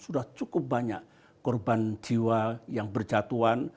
sudah cukup banyak korban jiwa yang berjatuhan